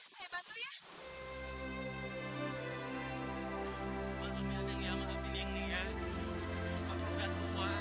fat kamu jangan kaya gitu dong fat